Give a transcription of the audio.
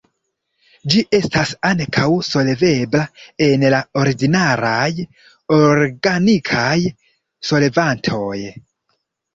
Ĝi estas ankaŭ solvebla en la ordinaraj organikaj solvantoj.